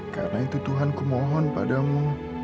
karena itu tuhan ku mohon padamu